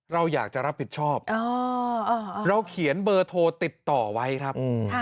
เราอยากจะรับผิดชอบเราเขียนเบอร์โทรติดต่อไว้ครับ